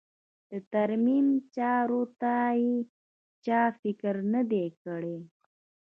د ترمیم چارو ته یې چا فکر نه دی کړی.